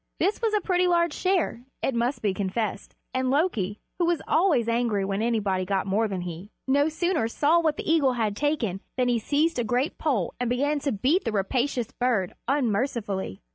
This was a pretty large share, it must be confessed, and Loki, who was always angry when anybody got more than he, no sooner saw what the eagle had taken, than he seized a great pole and began to beat the rapacious bird unmercifully.